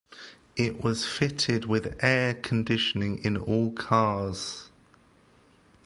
It was fitted with air conditioning in all cars.